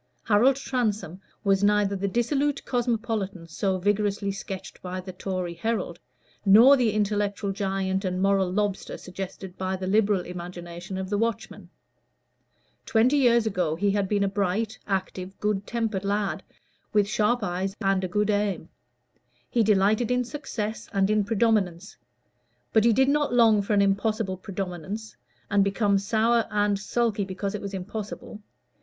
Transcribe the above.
Harold Transome was neither the dissolute cosmopolitan so vigorously sketched by the Tory Herald, nor the intellectual giant and moral lobster suggested by the Liberal imagination of the Watchman. Twenty years ago he had been a bright, active, good tempered lad, with sharp eyes and a good aim; he delighted in success and in predominance; but he did not long for an impossible predominance, and become sour and sulky because it was impossible.